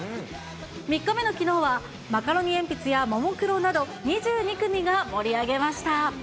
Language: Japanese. ３日目のきのうは、マカロニえんぴつやももクロなど、２２組が盛り上げました。